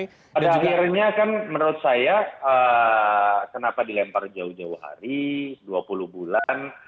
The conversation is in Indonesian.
pada akhirnya kan menurut saya kenapa dilempar jauh jauh hari dua puluh bulan